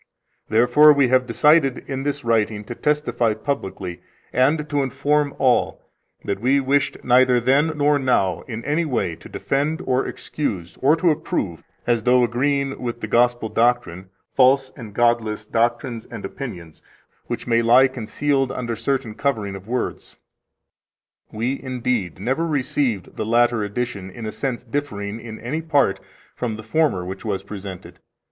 Therefore we have decided in this writing to testify publicly, and to inform all, that we wished neither then nor now in any way to defend, or excuse, or to approve, as though agreeing with the Gospel doctrine, false and godless doctrines and opinions which may lie concealed under certain coverings of words. We, indeed, never received the latter edition in a sense differing in any part from the former which was presented.